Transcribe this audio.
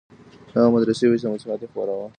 دا هغه مدرسې وې چي مسيحيت يې خپراوه.